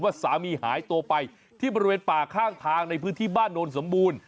สามีหายตัวไปที่บริเวณป่าข้างทางในพื้นที่บ้านโนนสมบูรณ์